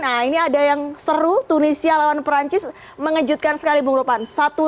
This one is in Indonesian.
nah ini ada yang seru tunisia lawan perancis mengejutkan sekali bung ropan